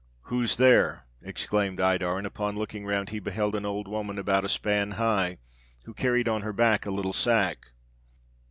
'Who's there?' exclaimed Iddar, and, upon looking round, he beheld an old woman about a span high, who carried on her back a little sack.